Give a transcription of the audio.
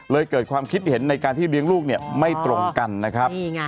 เกิดความคิดเห็นในการที่เลี้ยงลูกเนี่ยไม่ตรงกันนะครับ